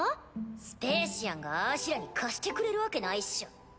スペーシアンがあしらに貸してくれるわけないっしょ。